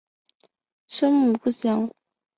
生母不详。